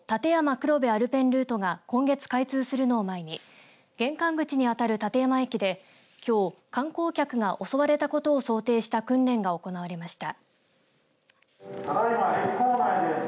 黒部アルペンルートが今月開通するのを前に玄関口に当たる立山駅できょう、観光客が襲われたことを想定した訓練が行われました。